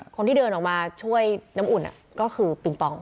คนที่เดินออกมาช่วยน้ำอุ่นก็คือปิงปอง